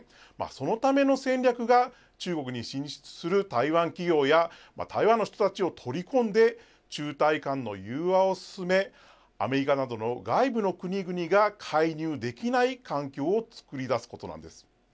そのための戦略が中国に進出する台湾企業や台湾の人たちを取り込んで中台間の融和を進めアメリカなどの外部の国々が介入できない環境をつくり出すことなんです。